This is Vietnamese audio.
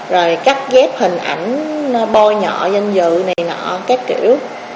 rồi cắt ghép hình ảnh bôi nhỏ danh dự này nọ các kiểu